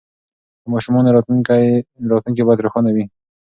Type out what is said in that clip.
د ماشومانو راتلونکې باید روښانه وي.